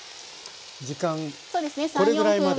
これぐらいまで？